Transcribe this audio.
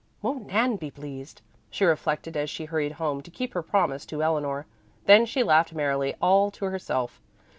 Won't Nan be pleased!" she reflected as she hurried home to keep her promise to Eleanor. Then she laughed merrily all to herself.